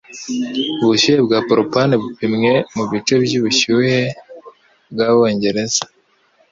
Ubushyuhe bwa propane bupimwe mubice byubushyuhe bwabongereza